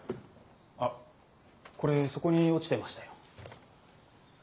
あっこれそこに落ちてましたよ。